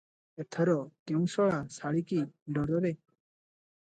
ଏଥର କେଉ ଶଳା ଶାଳୀକି ଡରରେ?